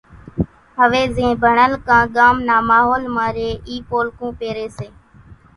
هويَ زين ڀڻل ڪان ڳام نا ماحول مان ريئيَ اِي پولڪُون پيريَ سي۔